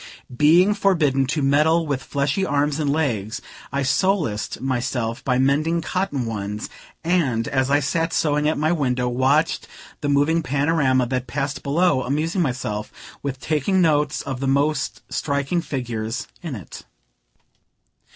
Being forbidden to meddle with fleshly arms and legs, I solaced myself by mending cotton ones, and, as I sat sewing at my window, watched the moving panorama that passed below; amusing myself with taking notes of the most striking figures in it.